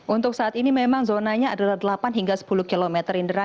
untuk saat ini memang zonanya adalah delapan hingga sepuluh km indra